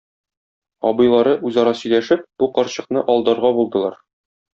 Абыйлары, үзара сөйләшеп, бу карчыкны алдарга булдылар.